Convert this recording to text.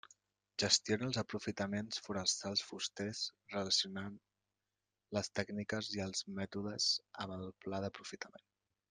Gestiona els aprofitaments forestals fusters relacionant les tècniques i els mètodes amb el pla d'aprofitament.